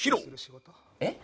えっ？